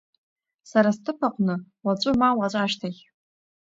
Сара сҭыԥ аҟны, уаҵәы ма уаҵәашьҭахь…